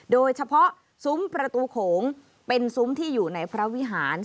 โดยเฉพาะสุมประตูโขงเป็นสุมที่อยู่ในพระวิหาร